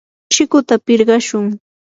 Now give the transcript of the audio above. chikuta pirqashun.